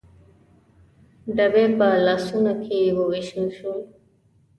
ډبي په لاسونو کې ووېشل شول.